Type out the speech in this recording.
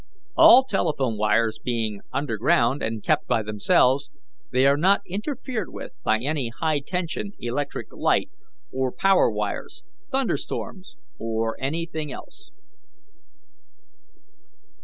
All telephone wires being underground and kept by themselves, they are not interfered with by any high tension electric light or power wires, thunderstorms, or anything else.